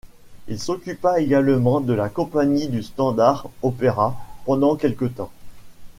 Il s'occupa également de la compagnie du Standard Opéra pendant quelque temps.